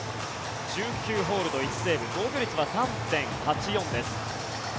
１９ホールド１セーブ防御率は３．８４です。